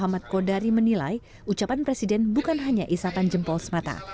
ahmad kodari menilai ucapan presiden bukan hanya isatan jempol semata